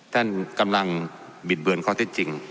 ท่านกำลังบิดเบือนข้อเท็จจริง